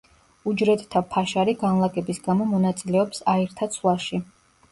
უჯრედთა ფაშარი განლაგების გამო მონაწილეობს აირთა ცვლაში.